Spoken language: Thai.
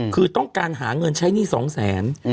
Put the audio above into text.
คือต้องการหาเงินใช้หนี้๒๐๐๐๐๐บาท